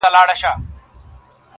د غوښتو دارو، ورکړه دي.